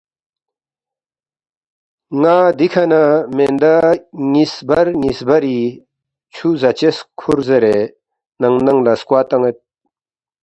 ن٘ا دِکھہ نہ مِندا نِ٘یس بر نِ٘یس بری چھُو زاچس کھُور زیرے ننگ ننگ لہ سکوا تان٘ید